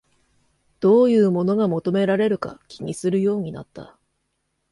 どういうものが求められるか気にするようになった